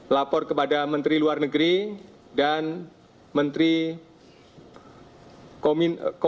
lapor kepada menteri luar negeri dan menteri komenkopol hukam